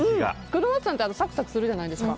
クロワッサンってサクサクするじゃないですか。